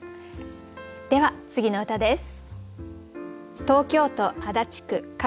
では次の歌です。